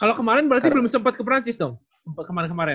kalau kemarin berarti belum sempat ke perancis dong untuk kemarin kemarin